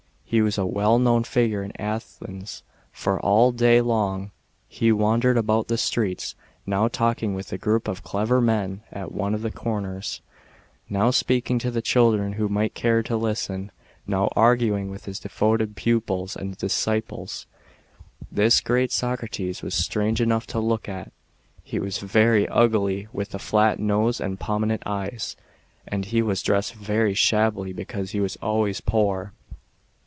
He was a well known figure in Athens, for all day "Sotrates was a well known figure in Athens" 112 TRUTH AND JUSTICE. [B.C. 469 399, long, he wandered about the streets, now talking with a group of clevar men at one of the corners, now speaking to the children, who might care to listen, now arguing with his devoted pupils and disciples. This great Socrates was strange enough to look at. He was very ugly, with a flat nose and pro minent eyes, and he was dressed very shabbily, because he was always poor.